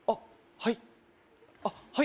はい